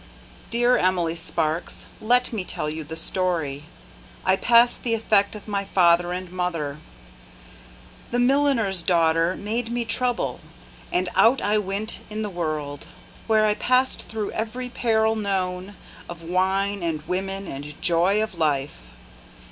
Dear Emily Sparks, let me tell you the story. I pass the effect of my father and mother; The milliner's daughter made me trouble And out I went in the world, Where I passed through every peril known Of wine and women and joy of life.